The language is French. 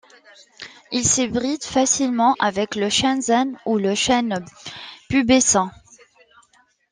Il s'hybride facilement avec le chêne zéen ou le chêne pubescent.